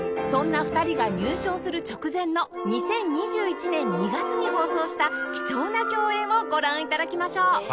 そんな２人が入賞する直前の２０２１年２月に放送した貴重な共演をご覧頂きましょう